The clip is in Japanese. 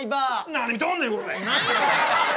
何見とんねんこら。